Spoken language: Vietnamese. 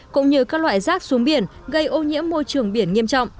cũng như các loại rác xuống biển gây ô nhiễm môi trường biển nghiêm trọng